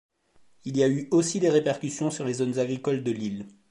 Il y a eu aussi des répercussions sur les zones agricoles de l'île.